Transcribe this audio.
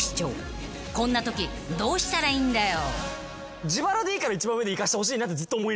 ［こんなときどうしたらいいんだよ！］